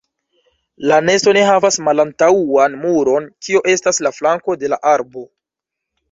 La nesto ne havas malantaŭan muron, kio estas la flanko de la arbo.